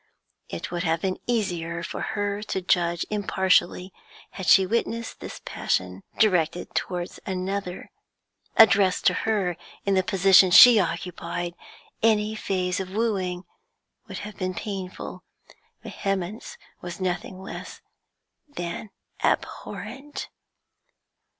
It would have been easier for her to judge impartially had she witnessed this passion directed towards another; addressed to her, in the position she occupied, any phase of wooing would have been painful; vehemence was nothing less than abhorrent.